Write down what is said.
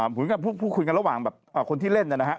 เหมือนกันพูดคุยกันระหว่างคนที่เล่นไปแล้ว